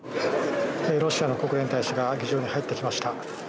ロシアの国連大使が議場に入ってきました。